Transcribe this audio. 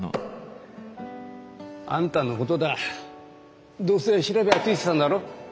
あんたのことだどうせ調べはついてたんだろ？